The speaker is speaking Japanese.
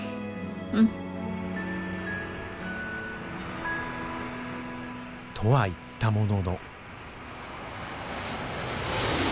うん。とは言ったものの。